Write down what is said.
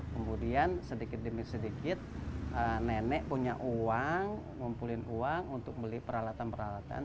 kemudian sedikit demi sedikit nenek punya uang ngumpulin uang untuk beli peralatan peralatan